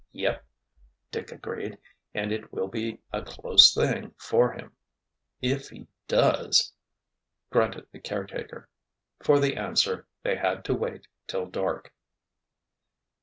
"Yep!" Dick agreed. "And it will be a close thing for him." "If he does!" grunted the caretaker. For the answer they had to wait till dark.